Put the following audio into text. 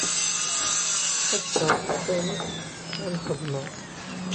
Sḥassfeɣ ɣef ayen akk i m-xedmeɣ.